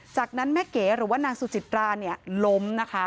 จากนั้นแม่เก๋หรือว่านางสุจิตราเนี่ยล้มนะคะ